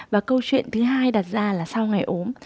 và câu chuyện thứ hai đặt ra là sau ngày ốm